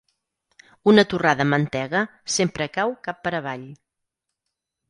Una torrada amb mantega sempre cau cap per avall.